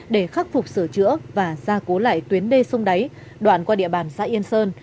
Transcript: để khắc phục sửa chữa và gia cố lại tuyến đê sông đáy đoạn qua địa bàn xã yên sơn